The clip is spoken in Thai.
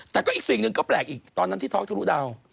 แต่ก็อีกสิ่งนึงก็แปลกอีกตอนนั้นที่ทอล์กเทอร์รูดาวน์